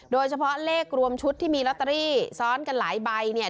โดยเฉพาะเลขรวมชุดที่มีลอตเตอรี่ซ้อนกันหลายใบเนี่ย